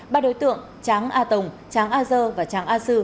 ba đối tượng tráng a tồng tráng a dơ và tráng a sư